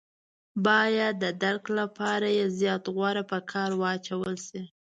باید د درک لپاره یې زیات غور په کار واچول شي.